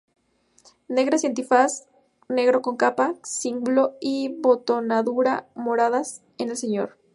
Negras y antifaz negro con capa, cíngulo y botonadura moradas en el Señor.